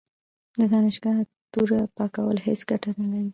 د دانشګاه توره پاکول هیڅ ګټه نه لري.